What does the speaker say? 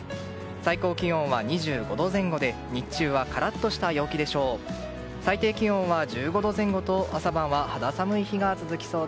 最高気温は２５度前後で日中はカラッとした陽気でしょう。